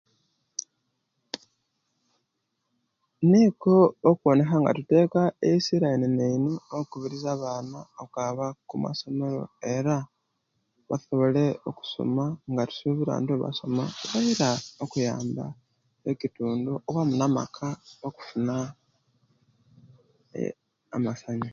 Nikwo okuwoneka nga tuteka esira inene ino okubiriza abaana okwaba okumasomero era basobole okusoma nga tusubira nti ebasoma basobola okuyamba ekitundu owamu namaka okufuna eeh amasanyu